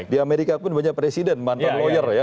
di amerika pun banyak presiden mantan lawyer ya